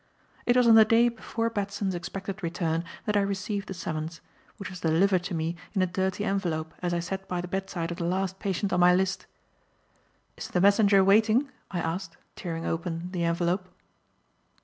It was on the day before Batson's expected return that I received the summons; which was delivered to me in a dirty envelope as I sat by the bedside of the last patient on my list. "Is the messenger waiting?" I asked, tearing open the envelope.